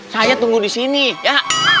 saya tunggu di sini ya